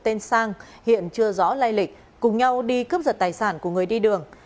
tên sang hiện chưa rõ lai lịch cùng nhau đi cướp giật tài sản của người đi đường